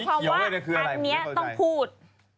มาสอันนี้หมายความว่าคันเนี้ยต้องพูด